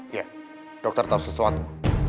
iya dokter tahu sesuatu